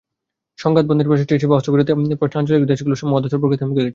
সংঘাত বন্ধের প্রচেষ্টা হিসেবে অস্ত্রবিরতি প্রশ্নে আঞ্চলিক দেশগুলোর মধ্যস্থতার প্রক্রিয়া থমকে গেছে।